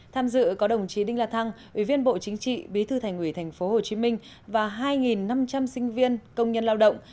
tham dự có đồng chí đinh la thăng ủy viên bộ chính trị bí thư thành ủy tp hcm và hai năm trăm linh sinh viên công nhân lao động